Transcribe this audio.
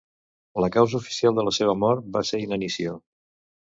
La causa oficial de la seva mort va ser inanició.